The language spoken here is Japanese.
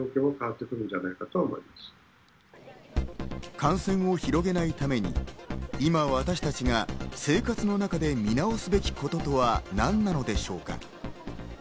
感染を広げないために今私たちが生活の中で見直すべきこととは何なのでしょうか。